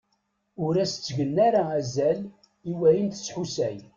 Ur as-ttgen ara azal i wayen tesḥusay.